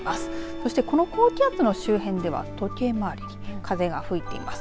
そしてこの高気圧の周辺では時計回りに風が吹いています。